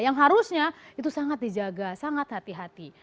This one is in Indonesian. yang harusnya itu sangat dijaga sangat hati hati